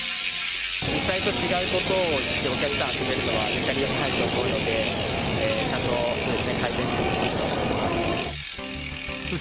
実際と違うことを言ってお客さんを集めるのは、よくないと思うので、ちゃんと改善してほしいと思います。